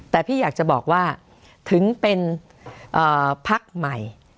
แต่พี่อยากจะบอกว่าถึงเป็นพักใหม่